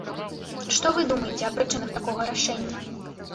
Што вы думаеце аб прычынах такога рашэння?